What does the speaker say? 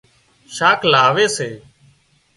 شاک لاوي سي